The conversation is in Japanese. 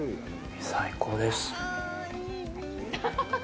最高です。